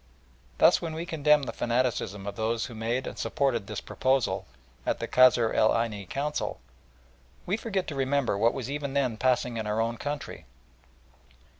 Thus when we condemn the fanaticism of those who made and supported this proposal at the Kasr El Aini Council, we forget to remember what was even then passing in our own country.